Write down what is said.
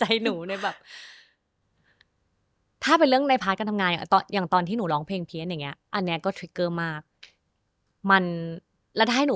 เยอะมากพี่มิน